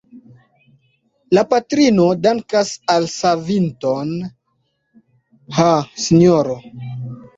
La patrino dankas la savinton: Ha, sinjoro!